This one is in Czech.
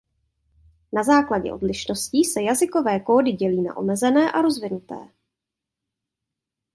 Na základě odlišností se jazykové kódy dělí na omezené a rozvinuté.